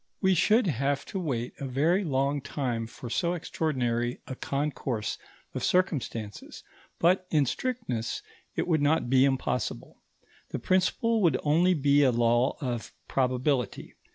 We should have to wait a very long time for so extraordinary a concourse of circumstances, but, in strictness, it would not be impossible. The principle would only be a law of probability.